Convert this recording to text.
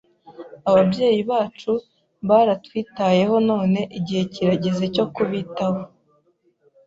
Ababyeyi bacu baratwitayeho none igihe kirageze cyo kubitaho.